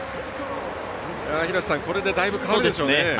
廣瀬さん、これでだいぶ変わるでしょうね。